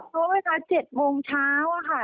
เพราะเวลาเจ็ดโมงเช้าค่ะ